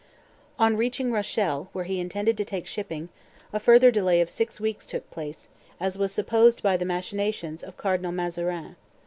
On reaching Rochelle, where he intended to take shipping, a further delay of six weeks took place, as was supposed by the machinations of Cardinal Mazarin.